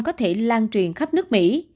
có thể lan truyền khắp nước mỹ